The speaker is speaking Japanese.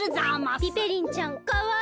ピペリンちゃんかわいい！